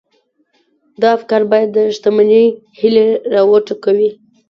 دا افکار بايد د شتمنۍ هيلې را وټوکوي.